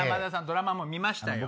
ドラマも見ましたよ。